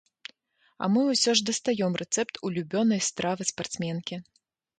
А мы ўсё ж дастаём рэцэпт улюбёнай стравы спартсменкі.